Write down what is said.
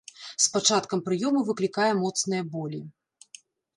З пачаткам прыёму выклікае моцныя болі.